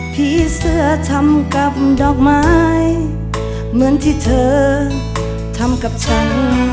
ผีเสื้อทำกับดอกไม้เหมือนที่เธอทำกับฉัน